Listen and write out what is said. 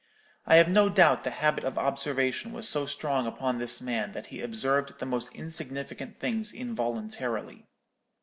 I have no doubt the habit of observation was so strong upon this man that he observed the most insignificant things involuntarily.